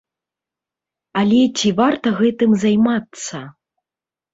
Але ці варта гэтым займацца?